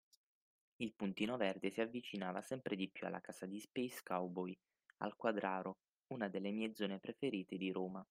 Il puntino verde si avvicinava sempre di più alla casa di Space Cowboy, al Quadraro (una delle mie zone preferite di Roma).